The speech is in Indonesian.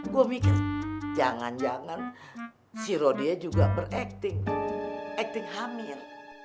gue mikir jangan jangan si rodia juga beracting acting hamil